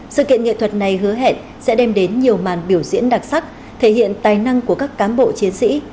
sự kiện nghệ thuật này hứa hẹn sẽ đem đến nhiều màn biểu diễn đặc sắc thể hiện tài năng của các cán bộ chiến sĩ